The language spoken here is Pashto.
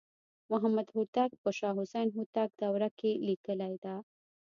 محمدهوتک په شاه حسین هوتک دوره کې لیکلې ده.